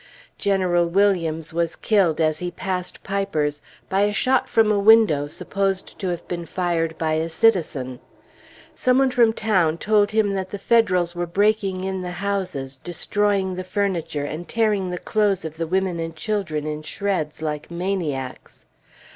General Williams was killed as he passed Piper's, by a shot from a window, supposed to have been fired by a citizen. Some one from town told him that the Federals were breaking in the houses, destroying the furniture, and tearing the clothes of the women and children in shreds, like maniacs.